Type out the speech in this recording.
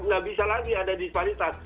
nggak bisa lagi ada disparitas